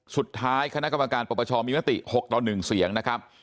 คณะกรรมการปรปชมีมติ๖ต่อ๑เสียงนะครับ